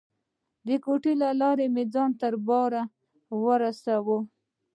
د کوټو له لارې مې ځان تر باره ورساوه.